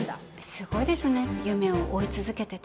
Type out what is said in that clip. すごいですね夢を追い続けてて。